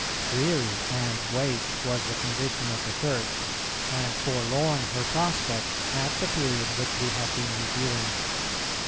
Dreary and waste was the condition of the Church, and forlorn her prospects, at the period which we have been reviewing.